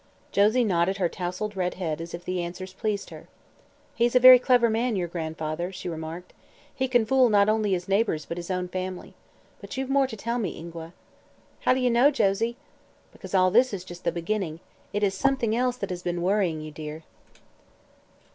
Josie nodded her tousled red head, as if the answers pleased her. "He's a very clever man, your grandfather," she remarked. "He can fool not only his neighbors, but his own family. But you've more to tell me, Ingua." "How d'ye know, Josie?" "Because all this is just the beginning. It is something else that has been worrying you, dear."